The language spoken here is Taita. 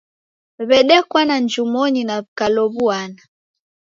W'edekwana njumonyi na w'ikalow'uana.